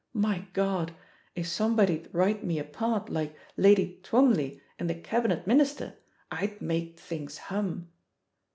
My God! if somebody'd write me a part like Lady Twombley in The Cabinet Minister I'd make things hum